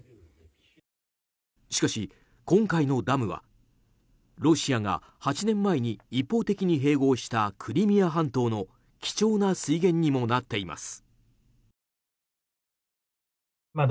しかし、今回のダムはロシアが８年前に一方的に併合したクリミア半島の貴重な水源にもなっています。